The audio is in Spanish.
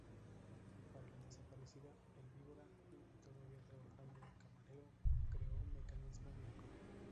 Para la desaparecida "El Víbora", y todavía trabajando de camarero, creó "Mecanismo blanco".